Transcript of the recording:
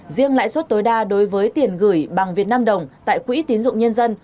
riêng lãi suất tối đa đối với tiền gửi bằng việt nam đồng tại quỹ tín dụng nhân dân